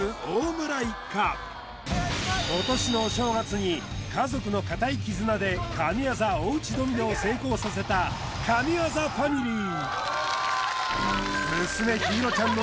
今年のお正月に家族の固い絆で神業お家ドミノを成功させた神業ファミリー